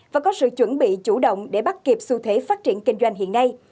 và có sự chuẩn bị chủ động để bắt kịp xu thế phát triển kinh doanh hiện nay